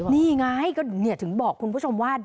นี่ไงก็ถึงบอกคุณผู้ชมว่า